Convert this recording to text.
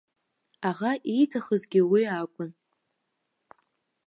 Аӷа ииҭахызгьы уи акәын.